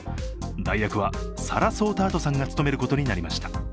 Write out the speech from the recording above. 代役はサラ・ソータートさんが務めることになりました。